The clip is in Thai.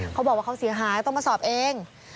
เขาบอกว่าเขาเสียหายต้องมาสอบเอง